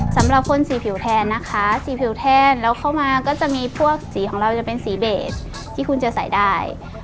สำหรับคนสีผิวแทนนะคะสีผิวแทนแล้วเข้ามาก็จะมีพวกสีของเราจะเป็นสีเบสที่คุณจะใส่ได้